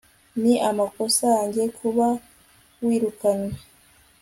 ni amakosa yanjye kuba wirukanwe